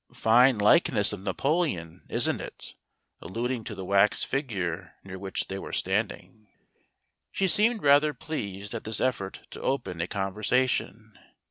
" Fine likeness of Napoleon, isn't it ?" alluding to the wax figure near which they were standing. She seemed rather pleased at this effort to open a conversation.